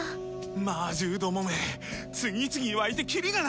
魔獣どもめ次々湧いてキリがない。